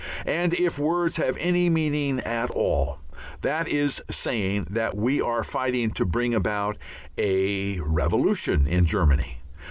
And if words have any meaning at all, that is saying that we are fighting to bring about a Revolution in Germany.